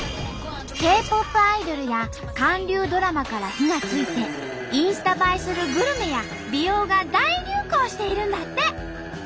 Ｋ−ＰＯＰアイドルや韓流ドラマから火がついてインスタ映えするグルメや美容が大流行しているんだって！